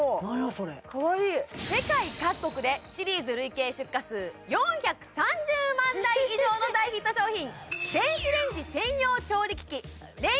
それかわいい世界各国でシリーズ累計出荷数４３０万台以上の大ヒット商品です！